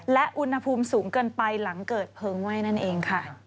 และอุณหภูมิสูงเกินไปหลังเกิดเพลิงไหม้นั่นเองค่ะ